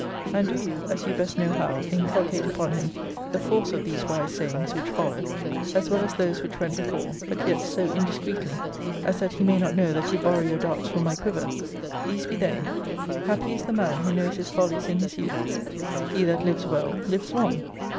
And do you (as you best know how) inculcate upon him the force of these wise sayings which follow, as well as those which went before; but yet so indiscreetly, as that he may not know that you borrow your darts from my quiver. These be they Happy is the man who knows his follies in his youth. He that lives well, lives long.